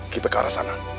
kita ke arah sana